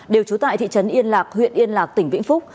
đều trú tại thị trấn yên lạc huyện yên lạc tỉnh vĩnh phúc